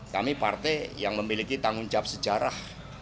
kami partai yang memiliki tanggung jawab sejarah